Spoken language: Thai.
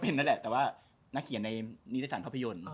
นักเขียนในนิตยาฐานพระพิยนต์